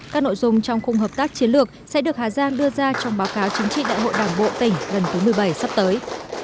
các nội dung trong khung hợp tác chiến lược sẽ được hà giang đưa ra trong báo cáo chính trị đại hội đảng bộ tỉnh gần thứ một mươi bảy sắp tới